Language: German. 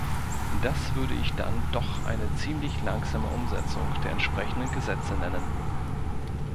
Das würde ich dann doch eine ziemlich langsame Umsetzung der entsprechenden Gesetze nennen.